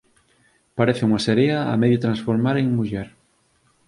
parece unha serea a medio transformar en muller.